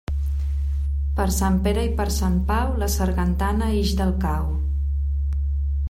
Per Sant Pere i per Sant Pau, la sargantana ix del cau.